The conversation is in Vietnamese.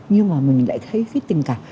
nhưng mà mình lại thấy cái tình cảm